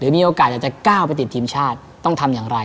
มีโอกาสอยากจะก้าวไปติดทีมชาติต้องทำอย่างไร